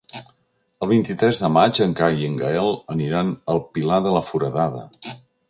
El vint-i-tres de maig en Cai i en Gaël aniran al Pilar de la Foradada.